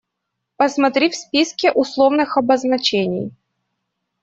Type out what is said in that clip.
Посмотри в списке условных обозначений.